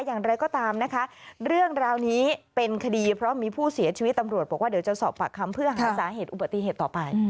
อย่างไรก็ตามนะคะเรื่องราวนี้เป็นคดีเพราะมีผู้เสียชีวิตตำรวจบอกว่าเดี๋ยวจะสอบปากคำเพื่อหาสาเหตุอุบัติเหตุต่อไป